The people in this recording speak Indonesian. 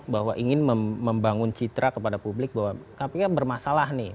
bahwa ingin membangun citra kepada publik bahwa kpk bermasalah nih